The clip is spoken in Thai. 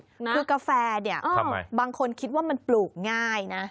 คือกาแฟเนี่ยบางคนคิดว่ามันปลูกง่ายนะ